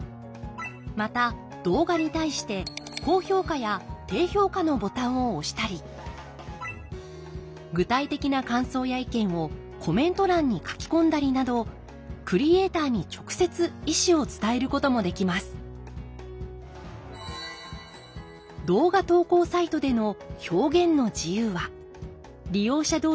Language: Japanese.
また動画に対して高評価や低評価のボタンを押したり具体的な感想や意見をコメント欄に書き込んだりなどクリエーターに直接意思を伝えることもできますんなるほど。